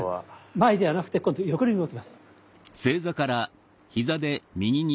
前じゃなくて今度横に動きます。